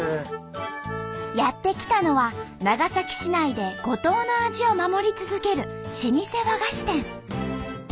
やって来たのは長崎市内で五島の味を守り続ける老舗和菓子店。